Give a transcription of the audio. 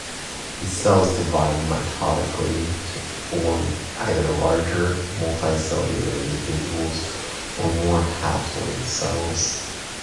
These cells divide mitotically to form either larger, multicellular individuals, or more haploid cells.